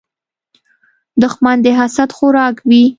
دښمن د حسد خوراک وي